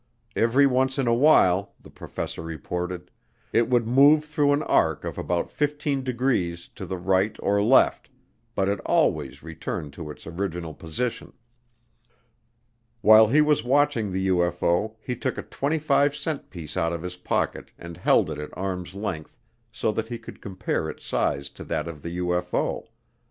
Every once in a while, the professor reported, it would move through an arc of about 15 degrees to the right or left, but it always returned to its original position. While he was watching the UFO he took a 25 cent piece out of his pocket and held it at arm's length so that he could compare its size to that of the UFO.